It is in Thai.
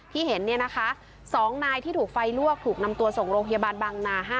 ที่เห็น๒นายที่ถูกไฟลวกถูกนำตัวส่งโรคยาบาลบางนา๕